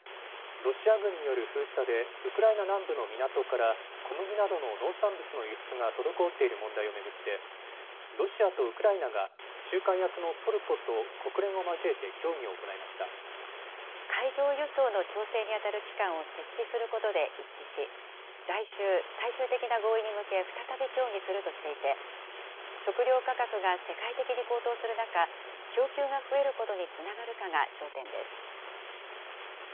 ロシア軍による封鎖でウクライナ南部の港から小麦などの農産物の輸出が滞っている問題を巡って、ロシアとウクライナが仲介役のトルコと国連を交えて協議を行いま海上輸送の調整に当たる機関を設置することで一致し、来週、最終的な合意に向け、再び協議するとしていて、食料価格が世界的に高騰する中、供給が増えることにつながるかが焦点です。